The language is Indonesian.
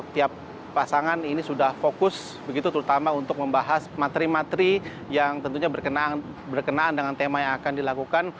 tiap pasangan ini sudah fokus begitu terutama untuk membahas materi materi yang tentunya berkenaan dengan tema yang akan dilakukan